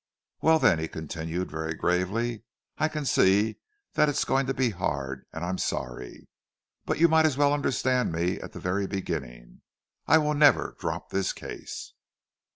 "Well, then," he continued, very gravely,—"I can see that it's going to be hard, and I'm sorry. But you might as well understand me at the very beginning—I will never drop this case."